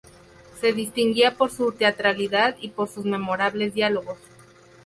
Se distinguía por su teatralidad y por sus memorables diálogos.